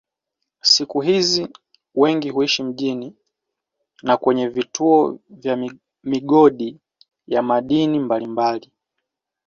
Siku hizi wengi huishi mjini na kwenye vituo vya migodi ya madini mbalimbali.